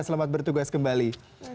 sampai jumpa lagi